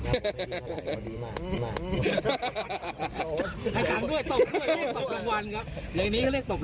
ต้นทำวัลครับนี้ไม่ไปนี้เรียกออกบ้าง